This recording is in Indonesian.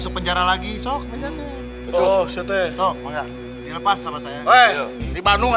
hei penjara juga